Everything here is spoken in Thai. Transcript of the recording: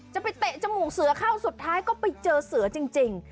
จะไปเตะจมูกเสือเข้าสุดท้ายก็ไปเจอเสือจริง